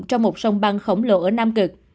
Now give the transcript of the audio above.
trong một sông băng khổng lồ ở nam cực